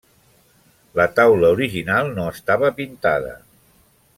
La taula original no estava pintada.